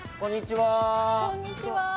こんにちは。